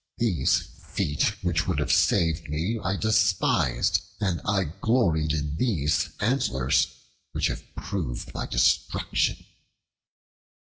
These feet which would have saved me I despised, and I gloried in these antlers which have proved my destruction."